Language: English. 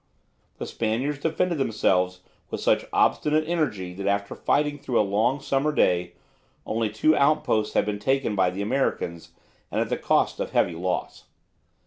The Spaniards defended themselves with such obstinate energy that after fighting through a long summer day only two outposts had been taken by the Americans, and at the cost of heavy loss.